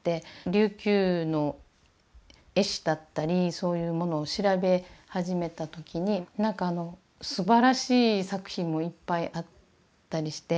琉球の絵師だったりそういうものを調べ始めた時になんかあのすばらしい作品もいっぱいあったりして。